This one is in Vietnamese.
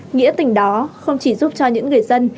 nghĩa tình đó không chỉ giúp cho những người dân